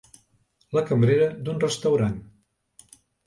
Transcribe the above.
La cambrera d'un restaurant